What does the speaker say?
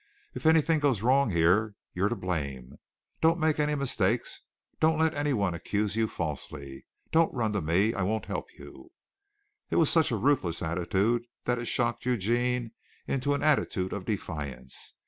"If anything goes wrong here, you're to blame. Don't make any mistakes. Don't let anyone accuse you falsely. Don't run to me. I won't help you." It was such a ruthless attitude that it shocked Eugene into an attitude of defiance.